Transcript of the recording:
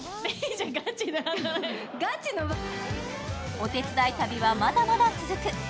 お手伝い旅は、まだまだ続く。